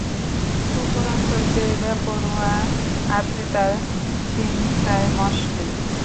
উপরন্তু যে বেপরোয়া, আপনি তার চিন্তায় মশগুল।